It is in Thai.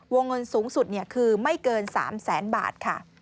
วงเงินสูงสุดคือไม่เกิน๓แสนบาทค่ะ